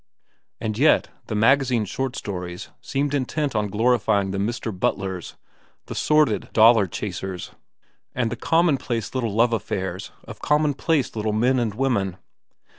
And yet the magazine short stories seemed intent on glorifying the Mr. Butlers, the sordid dollar chasers, and the commonplace little love affairs of commonplace little men and women.